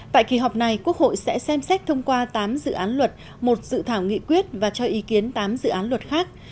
tại kỳ họp này quốc hội sẽ xem xét thông qua tám dự án luật một dự thảo nghị quyết và cho ý kiến tám dự án luật khác